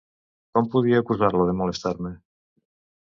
Com podia acusar-lo de molestar-me?